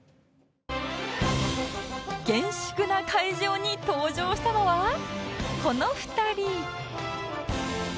厳粛な会場に登場したのはこの２人